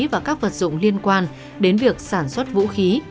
và các vật dụng liên quan đến việc sản xuất vũ khí